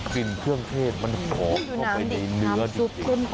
กลิ่นเครื่องเทศมันหอกไปในน้ำจริง